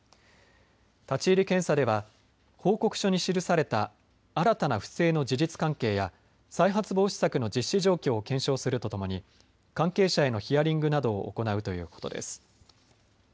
立ち入り検査では報告書に記された新たな不正の事実関係や再発防止策の実施状況を検証するとともに関係者へのヒアリングなどを行うということです。